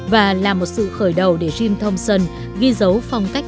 và là một sự khởi đầu để jim thomson ghi dấu phong cách